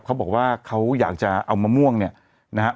เขาบอกว่าเขาอยากจะเอามะม่วงเนี่ยนะฮะ